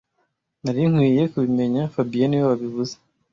Nari nkwiye kubimenya fabien niwe wabivuze (